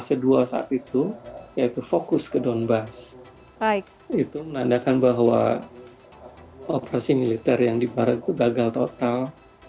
sedul saat itu yaitu fokus ke donbass baik itu menandakan bahwa operasi militer yang dibagal total